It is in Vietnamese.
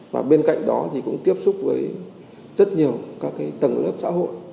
và bên cạnh đó thì cũng tiếp xúc với rất nhiều các tầng lớp xã hội